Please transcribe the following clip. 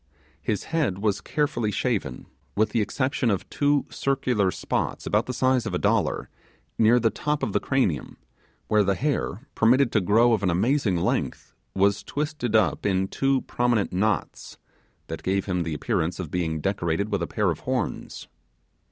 His head was carefully shaven with the exception of two circular spots, about the size of a dollar, near the top of the cranium, where the hair, permitted to grow of an amazing length, was twisted up in two prominent knots, that gave him the appearance of being decorated with a pair of horns.